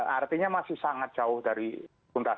artinya masih sangat jauh dari tuntas